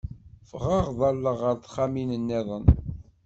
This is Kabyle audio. Ffɣeɣ ḍalleɣ ɣer texxamin nniḍen.